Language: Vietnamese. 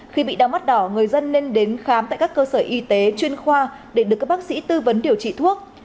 khi bị đau mắt đỏ người dân nên đến khám tại các cơ sở y tế chuyên khoa để được các bác sĩ tư vấn điều trị thuốc